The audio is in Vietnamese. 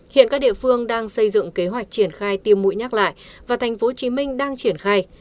hiện các địa phương đang xây dựng kế hoạch triển khai tiêm mũi nhắc lại và tp hcm đang triển khai